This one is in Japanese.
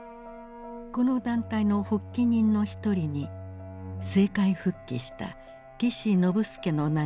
この団体の発起人の一人に政界復帰した岸信介の名があった。